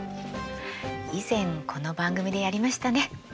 以前この番組でやりましたね。